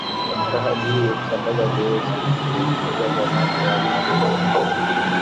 katika hali hiyo kusambaza virusi hivyo kupitia kwa mate yake Ugonjwa huu